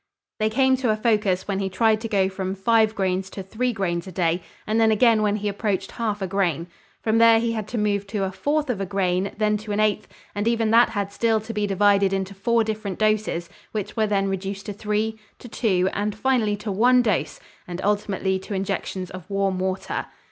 They came to a focus when he tried to go from five grains to three grains a day and then again when he approached half a grain. From there he had to move to a fourth of a grain, then to an eighth, and even that had still to be divided into four different doses which were then reduced to three, to two, and finally to one dose and ultimately to injections of warm water.